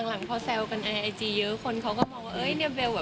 หลังเพราะแซวกันไอจีเยอะคนเขาก็มองว่า